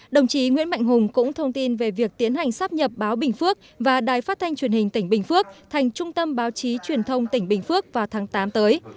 đồng chí nguyễn mạnh hùng cũng thông tin về việc tiến hành sắp nhập báo bình phước và đài phát thanh truyền hình tỉnh bình phước thành trung tâm báo chí truyền thông tỉnh bình phước vào tháng tám tới